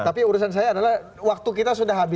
tapi urusan saya adalah waktu kita sudah habis